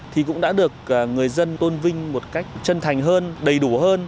thì cũng đã được người dân tôn vinh một cách chân thành hơn đầy đủ hơn